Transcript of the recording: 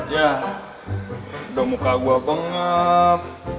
yah udah muka gue bengap